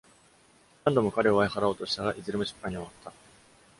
何度も彼を追い払おうとしたが、いずれも失敗に終わった。